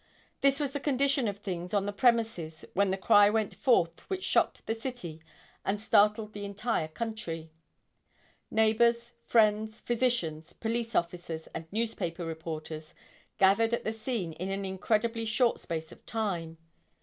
This was the condition of things on the premises when the cry went forth which shocked the city and startled the entire country. Neighbors, friends, physicians, police officers and newspaper reporters gathered at the scene in an incredibly short space of time.